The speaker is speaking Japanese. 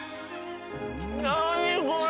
何これ。